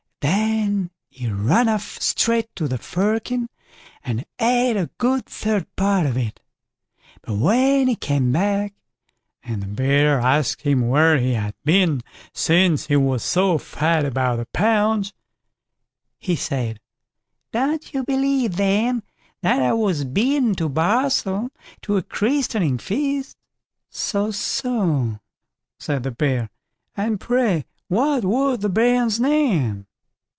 Then he ran off straight to the firkin and ate a good third part of it. But when he came back, and the Bear asked him where he had been, since he was so fat about the paunch, he said: "Don't you believe then that I was bidden to barsel, to a christening feast." "So, so", said the Bear, "and pray what was the bairn's name."